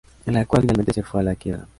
La cual finalmente se fue a la quiebra.